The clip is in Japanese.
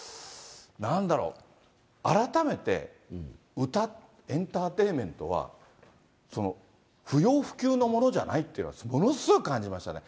なんだろう、改めて歌、エンターテインメントは不要不急のものじゃないっていうのは、ものすごく感じましたね。